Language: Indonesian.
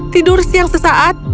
tidur siang sesaat